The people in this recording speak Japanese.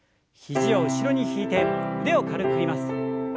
肘を後ろに引いて腕を軽く振ります。